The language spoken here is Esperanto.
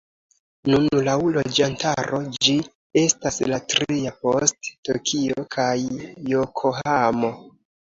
Nun laŭ loĝantaro ĝi estas la tria post Tokio kaj Jokohamo.